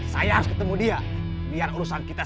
saya harus ketemu dia biar urusan kita